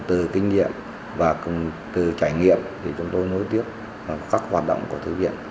từ kinh nghiệm và từ trải nghiệm thì chúng tôi nối tiếp các hoạt động của thư viện